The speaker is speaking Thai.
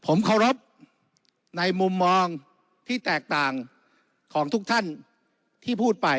ผมเคารพในมุมมองที่แตกต่างของทุกท่านที่พูดไป